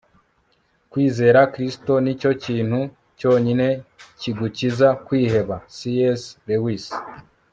kwizera kristo nicyo kintu cyonyine kigukiza kwiheba - c s lewis